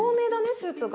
スープが。